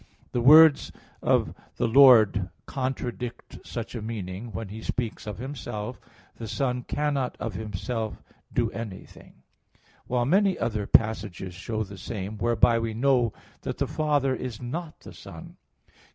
The words of the Lord contradict such a meaning, when He speaks of Himself, "The Son cannot of Himself do anything" (John 5:19); while many other passages show the same, whereby we know that the Father is not the Son.